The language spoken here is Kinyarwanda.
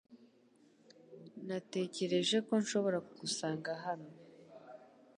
Natekereje ko nshobora kugusanga hano .